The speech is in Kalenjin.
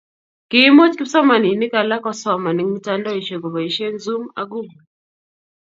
kiimuch kipsomaninik alak kusoman eng' mitandaosiek koboisien zoom ak google